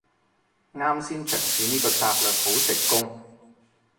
啱先嘗試呢個策略好成功